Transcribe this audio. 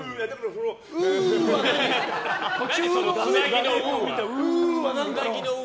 そのつなぎの「う」は。